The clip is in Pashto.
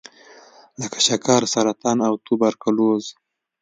لکه شکر، سرطان او توبرکلوز.